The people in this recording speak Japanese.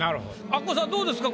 アッコさんどうですか？